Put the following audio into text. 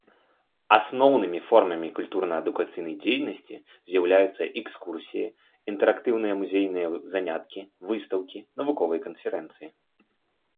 Асноўнымі формамі культурна-адукацыйнай дзейнасці з'яўляюцца экскурсіі, інтэрактыўныя музейныя заняткі, выстаўкі, навуковыя канферэнцыі.